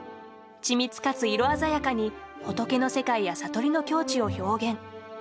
緻密かつ色鮮やかに仏の世界や悟りの境地を表現。